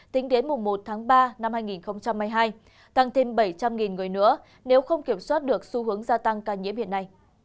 tính đến một tháng ba năm hai nghìn hai mươi hai tăng thêm bảy trăm linh người nữa nếu không kiểm soát được xu hướng gia tăng ca nhiễm hiện nay